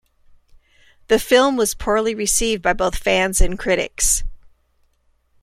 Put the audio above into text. The film was poorly received by both fans and critics.